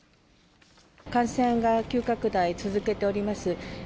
感染が急拡大、続けております。